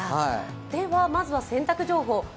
まずは洗濯情報。